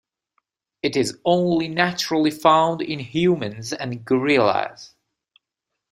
It is only naturally found in humans and gorillas.